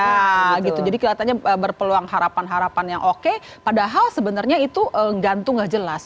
ya gitu jadi kelihatannya berpeluang harapan harapan yang oke padahal sebenarnya itu gantung nggak jelas